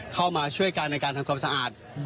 เข้ามาช่วยกันในการทำความสะอาด